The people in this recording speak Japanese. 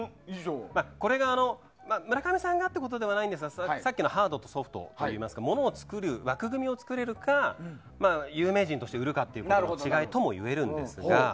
これが村上さんがということではないんですがさっきのハードとソフトといいますかものを作る枠組みを作れるか有名人として売るかの違いともいえるんですが。